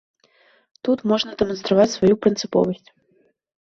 Тут можна дэманстраваць сваю прынцыповасць.